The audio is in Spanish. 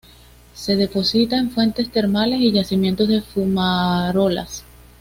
Se deposita en fuentes termales y yacimientos de fumarolas.